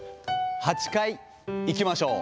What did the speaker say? ８回いきましょう。